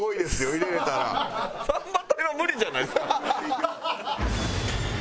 サンバ隊は無理じゃないですか？